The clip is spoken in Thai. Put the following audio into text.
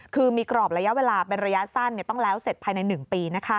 คือมีกรอบระยะเวลาเป็นระยะสั้นต้องแล้วเสร็จภายใน๑ปี